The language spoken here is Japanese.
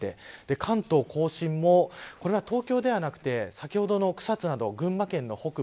関東甲信もこれは東京ではなくて先ほどの草津など、群馬県の北部